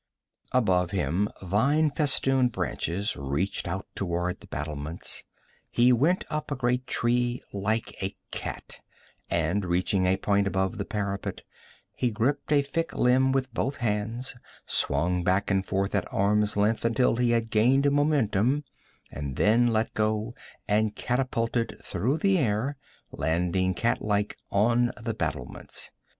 Above him vine festooned branches reached out toward the battlements. He went up a great tree like a cat, and reaching a point above the parapet, he gripped a thick limb with both hands, swung back and forth at arm's length until he had gained momentum, and then let go and catapulted through the air, landing cat like on the battlements.